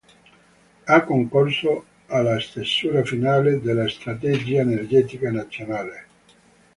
Ha concorso alla stesura finale della Strategia Energetica Nazionale.